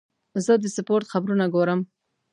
زه د سپورت خبرونه ګورم.